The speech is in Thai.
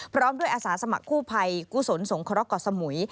พร้อมด้วยอาสาสมัครกู้ภัยกุศลสงเคราะหก่อสมุย